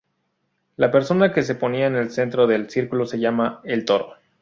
La persona que se ponía en el centro del círculo se llama el "toro".